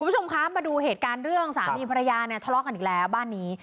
คุณผู้ชมคะมาดูเหตุการณ์เรื่องสามีภรรยาเนี่ยทะเลาะกันอีกแล้วบ้านนี้